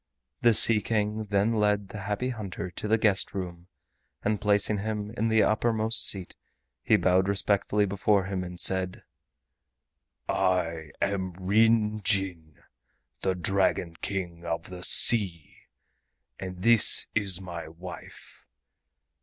The Sea King then led the Happy Hunter to the guest room, and placing him in the uppermost seat, he bowed respectfully before him, and said: "I am Ryn Jin, the Dragon King of the Sea, and this is my wife.